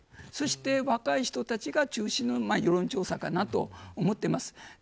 そして若い人たちが中心の世論調査かなと思ってます。